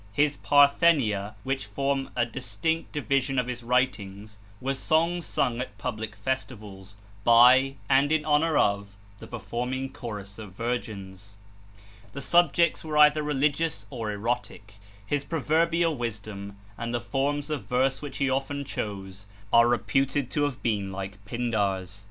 His 'Parthenia,' which form a distinct division of his writings, were songs sung at public festivals by, and in honor of, the performing chorus of virgins. The subjects were either religious or erotic. His proverbial wisdom, and the forms of verse which he often chose, are reputed to have been like Pindar's.